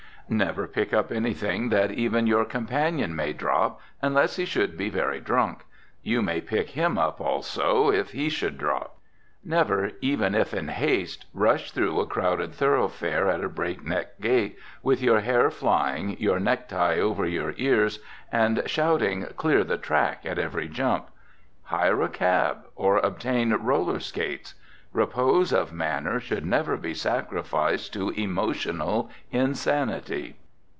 Never pick up anything that even your companion may drop, unless he should be very drunk. You may pick him up also, if he should drop. Never, even if in haste, rush through a crowded thoroughfare at a breakneck gait, with your hair flying, your necktie over your ears, and shouting "Clear the track!" at every jump. Hire a cab, or obtain roller skates. Repose of manner should never be sacrificed to emotional insanity.